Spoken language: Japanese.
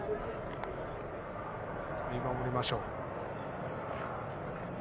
見守りましょう。